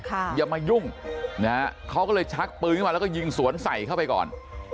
อย่ามายุ่งนะฮะเขาก็เลยชักปืนขึ้นมาแล้วก็ยิงสวนใส่เข้าไปก่อน